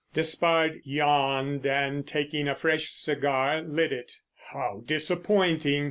Despard yawned, and, taking a fresh cigar, lit it. "How disappointing!